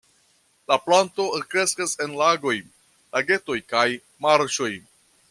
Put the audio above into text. La planto kreskas en lagoj, lagetoj kaj marĉoj.